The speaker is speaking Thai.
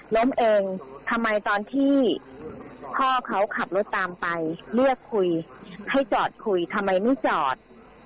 เองทำไมตอนที่พ่อเขาขับรถตามไปเรียกคุยให้จอดคุยทำไมไม่จอด